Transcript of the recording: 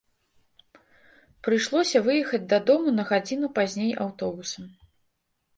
Прыйшлося выехаць дадому на гадзіну пазней аўтобусам.